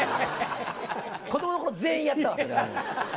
子どものころ、全員やったわ、それ。